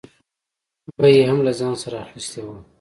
به یې هم له ځان سره اخیستې وه.